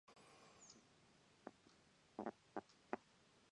Most, however, agreed the club should have a ground of its own.